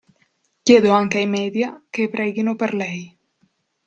Chiedo anche ai media che preghino per lei.